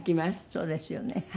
そうですよね。